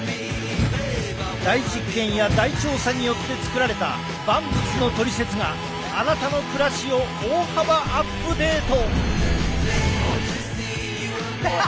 大実験や大調査によって作られた万物のトリセツがあなたの暮らしを大幅アップデート！